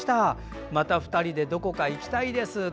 でも、また２人でどこかへ行きたいです。